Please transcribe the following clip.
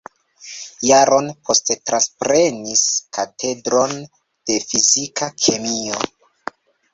Jaron poste transprenis Katedron de Fizika Kemio.